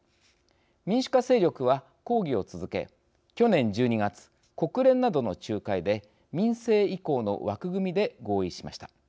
民主化勢力は抗議を続け去年１２月、国連などの仲介で民政移行の枠組みで合意しました。